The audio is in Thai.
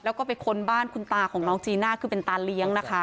แล้วก็ไปค้นบ้านคุณตาของน้องจีน่าคือเป็นตาเลี้ยงนะคะ